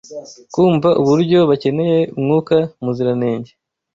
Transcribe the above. kumva uburyo bakeneye Mwuka Muziranenge